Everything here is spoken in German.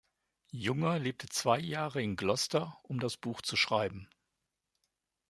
Junger lebte zwei Jahre in Gloucester, um das Buch zu schreiben.